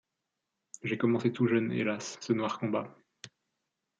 J'ai commencé tout jeune, hélas ! ce noir combat.